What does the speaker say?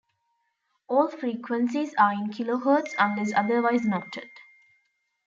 All frequencies are in kHz, unless otherwise noted.